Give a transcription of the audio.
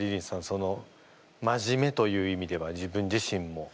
その真面目という意味では自分自身も。